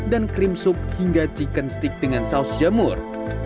dan krim sup hingga chicken stick dengan saus jamur